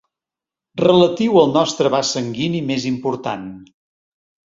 Relatiu al nostre vas sanguini més important.